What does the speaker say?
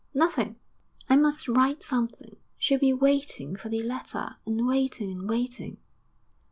Nothing.' 'I must write something. She'll be waiting for the letter, and waiting and waiting.'